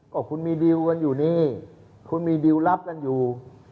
ก็คุณมีดิวกันอยู่นี่คุณมีดิวรับกันอยู่